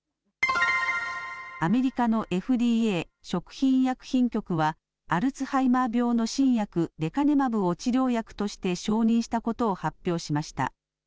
アメリカのＦＤＡ食品医薬品局はアルツハイマー病の新薬レカネマブを治療薬として承認したことを発表しました。